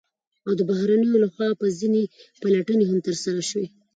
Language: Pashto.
او د بهرنيانو لخوا په كې ځنې پلټنې هم ترسره شوې،